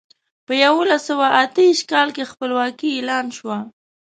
په یولس سوه اتيا ه ش کال کې خپلواکي اعلان شوه.